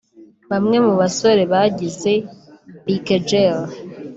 Bamwe mu basore bagize B-Kgl